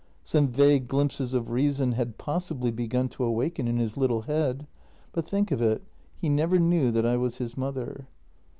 Some vague glimpses of reason had possibly begun to awaken in his little head, but, think of it, he never knew that I was his mother.